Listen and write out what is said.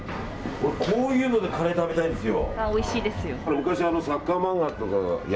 こういうのでカレー食べたいんですよ。